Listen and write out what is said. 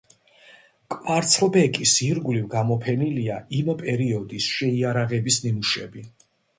კვარცხლბეკის ირგვლივ გამოფენილია იმ პერიოდის შეიარაღების ნიმუშები.